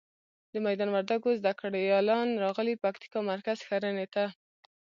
د میدان وردګو زده ګړالیان راغلي پکتیکا مرکز ښرنی ته.